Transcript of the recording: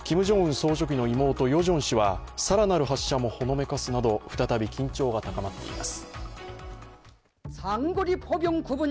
総書記の妹ヨジョン氏は更なる発射もほのめかすなど、再び緊張が高まっています。